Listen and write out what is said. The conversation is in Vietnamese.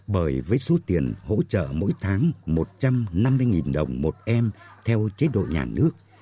bởi với số tiền hỗ trợ mỗi tháng một trăm năm mươi đồng một em theo chế độ nhà nước